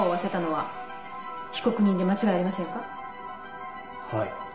はい。